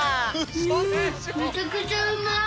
うんめちゃくちゃうまい！